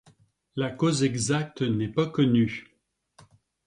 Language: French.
La cause exacte n’est pas connue.